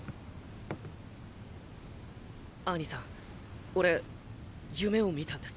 アニさんオレ夢を見たんです。